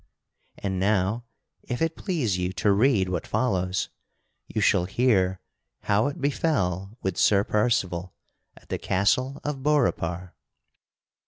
And now, if it please you to read what follows, you shall hear how it befell with Sir Percival at the castle of Beaurepaire.